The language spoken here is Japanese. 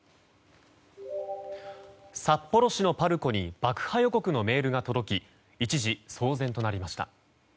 札幌市のパルコに爆破予告のメールが届き一時騒然となりました。